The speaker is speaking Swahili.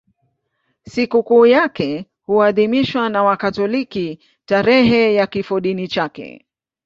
Sikukuu yake huadhimishwa na Wakatoliki tarehe ya kifodini chake.